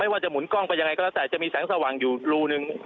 ว่าจะหุนกล้องไปยังไงก็แล้วแต่จะมีแสงสว่างอยู่รูหนึ่ง